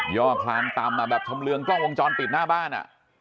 ย่อคลานตำอ่ะทำเรืองกล้องวงจรติดหน้าบ้าน